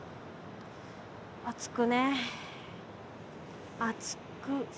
熱くねえ熱く。